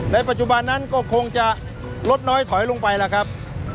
ปัจจุบันนั้นก็คงจะลดน้อยถอยลงไปแล้วครับ